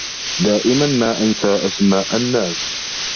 دائما ما أنسى أسماء النّاس.